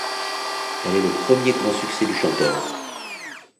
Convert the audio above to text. Elle est le premier grand succès du chanteur.